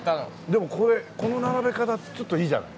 でもこれこの並べ方ってちょっといいじゃない。